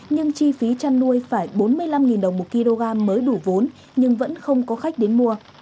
nhưng chi phí chăn nuôi phải bốn mươi năm đồng một kg mới đủ vốn nhưng vẫn không có khách đến mua